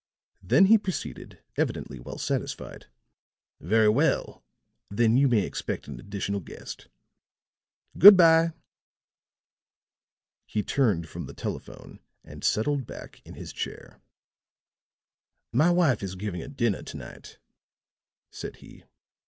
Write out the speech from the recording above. Then he proceeded, evidently well satisfied: "Very well; then you may expect an additional guest. Good bye." He turned from the telephone and settled back in his chair. "My wife is giving a dinner to night," said he.